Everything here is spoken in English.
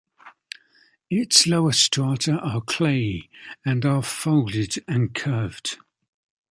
Its lower strata are clayey, and are folded and curved.